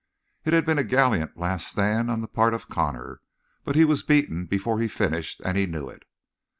It had been a gallant last stand on the part of Connor. But he was beaten before he finished, and he knew it.